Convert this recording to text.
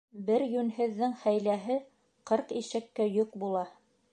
Бер йүнһеҙҙең хәйләһе ҡырҡ ишәккә йөк була.